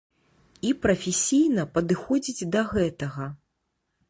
І прафесійна падыходзіць да гэтага.